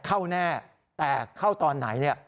เข้าแน่แต่เข้าตอนไหน